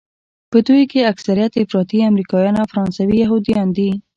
په دوی کې اکثریت افراطي امریکایان او فرانسوي یهودیان دي.